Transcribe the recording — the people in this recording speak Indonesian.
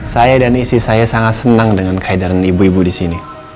saya dan istri saya sangat senang dengan kehadiran ibu ibu di sini